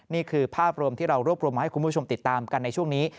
นี่คือภาพรวมที่เรารวบรวมมาให้คุณผู้ชมติดตามกันในช่วงนี้